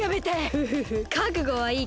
フフフかくごはいい？